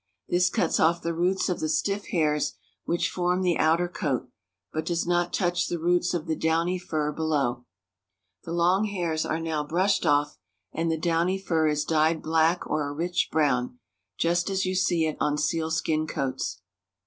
This cuts off the roots of the stiff hairs which form the outer coat, but does not touch the roots of the downy fur below. The long hairs are now brushed off, and the downy fur is dyed black or a rich brown, just as you see it on sealskin coats.